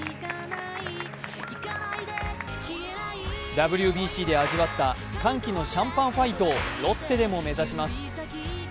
ＷＢＣで味わった歓喜のシャンパンファイトをロッテでも目指します。